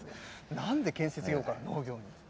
なんで建設業から農業に？